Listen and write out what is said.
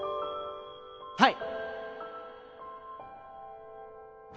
はい！